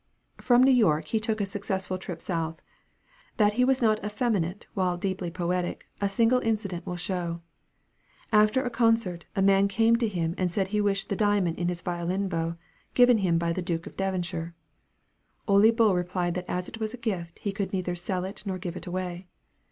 From New York he took a successful trip South. That he was not effeminate while deeply poetic, a single incident will show. After a concert, a man came to him and said he wished the diamond in his violin bow, given him by the Duke of Devonshire. Ole Bull replied that as it was a gift, he could neither sell it nor give it away.